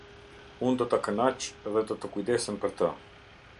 Unë do ta kënaq dhe do të kujdesem për të.